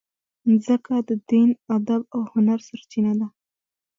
مځکه د دین، ادب او هنر سرچینه ده.